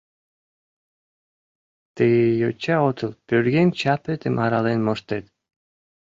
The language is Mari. Тый йоча отыл, пӧръеҥ чапетым арален моштет.